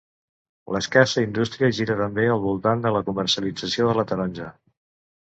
L'escassa indústria gira també al voltant de la comercialització de la taronja.